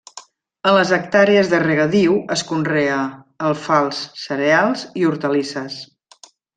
En les hectàrees de regadiu es conrea: alfals, cereals i hortalisses.